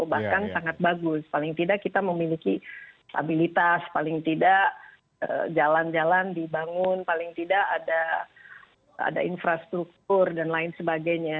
bahkan sangat bagus paling tidak kita memiliki stabilitas paling tidak jalan jalan dibangun paling tidak ada infrastruktur dan lain sebagainya